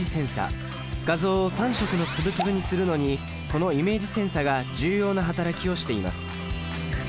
画像を３色の粒々にするのにこのイメージセンサが重要な働きをしています。